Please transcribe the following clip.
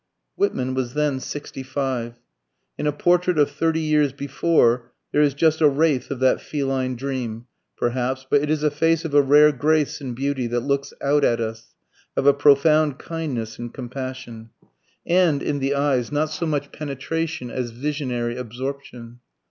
Whitman was then sixty five. In a portrait of thirty years before there is just a wraith of that feline dream, perhaps, but it is a face of a rare grace and beauty that looks out at us, of a profound kindness and compassion. And, in the eyes, not so much penetration as visionary absorption.